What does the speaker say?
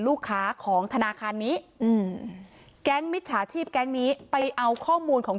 ลูกค้าของธนาคารนี้อืมแก๊งมิจฉาชีพแก๊งนี้ไปเอาข้อมูลของ